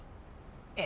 ええ。